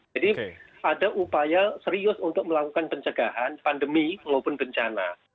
jadi ada upaya serius untuk melakukan pencegahan pandemi maupun bencana